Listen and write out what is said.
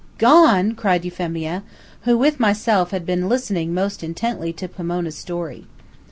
"Gone?" cried Euphemia, who, with myself, had been listening most intently to Pomona's story.